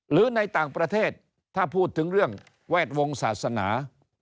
หรือในต่างประเทศถ้าพูดถึงเรื่องแวดวงศาสนา